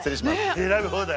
選び放題。